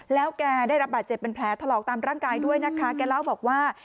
แล้วแกได้รับบาดเจ็บเป็นแผลถลอกตามร่างกายด้วยนะคะแกเล่าบอกว่า